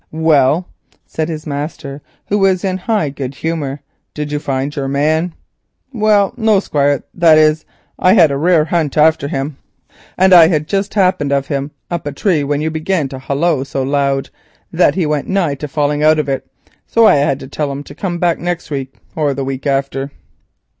"Well!" said his master, who was in high good humour, "did you find your man?" "Well no, Squire—that is, I had a rare hunt after him, and I had just happened of him up a tree when you began to halloa so loud, that he went nigh to falling out of it, so I had to tell him to come back next week, or the week after."